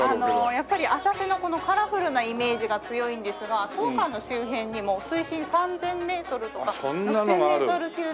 やっぱり浅瀬のこのカラフルなイメージが強いんですが当館の周辺にも水深３０００メートルとか５０００メートル級の深海が広がっています。